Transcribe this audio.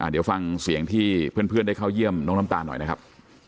เดี๋ยวฟังเสียงที่เพื่อนได้เข้าเยี่ยมน้องน้ำตาลหน่อยนะครับ